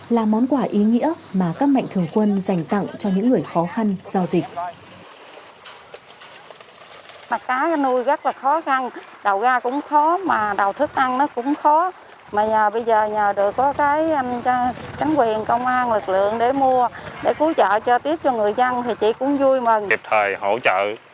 là món quả ý nghĩa mà các mạnh thường quân dành tặng cho những người khó khăn do dịch